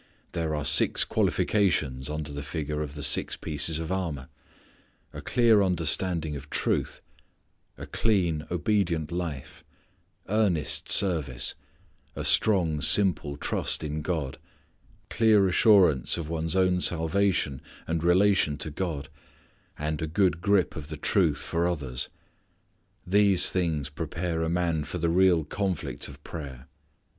There are six qualifications under the figure of the six pieces of armour. A clear understanding of truth, a clean obedient life, earnest service, a strongly simple trust in God, clear assurance of one's own salvation and relation to God, and a good grip of the truth for others these things prepare a man for the real conflict of prayer.